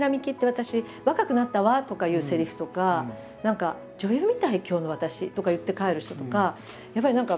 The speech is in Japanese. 私若くなったわ」とかいうせりふとか何か「女優みたい今日の私」とか言って帰る人とか。